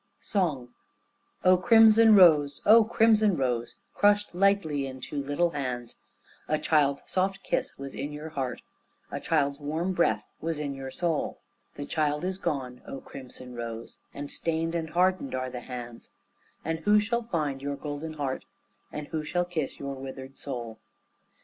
SONG O crimson rose, O crimson rose, Crushed lightly in two little hands; A child's soft kiss was in your heart, A child's warm breath was in your soul. The child is gone, O crimson rose, And stained and hardened are the hands, And who shall find your golden heart And who shall kiss your withered soul?